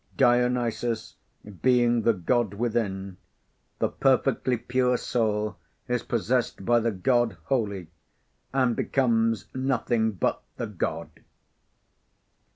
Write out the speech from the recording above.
Dionysus being the God within, the perfectly pure soul is possessed by the God wholly, and becomes nothing but the God.